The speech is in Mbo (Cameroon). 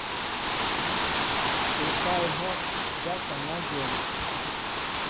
Ekáá ehɔʼ ja ŋkaŋa dyom.